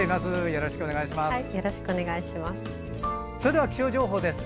よろしくお願いします。